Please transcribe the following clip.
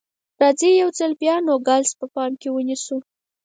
راځئ یو ځل بیا نوګالس په پام کې ونیسو.